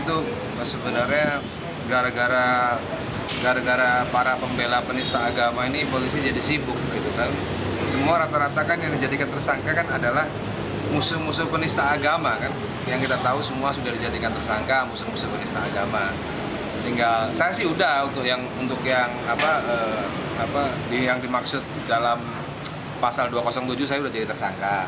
untuk yang dimaksud dalam pasal dua ratus tujuh saya sudah jadi tersangka